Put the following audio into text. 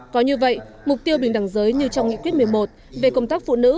có như vậy mục tiêu bình đẳng giới như trong nghị quyết một mươi một về công tác phụ nữ